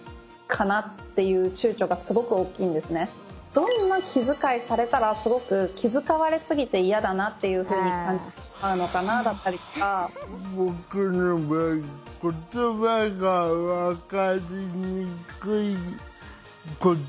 どんな気遣いされたらすごく気遣われ過ぎてイヤだなっていうふうに感じてしまうのかなだったりとか。